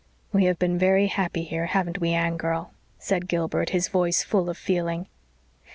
"We have been very happy here, haven't we, Anne girl?" said Gilbert, his voice full of feeling.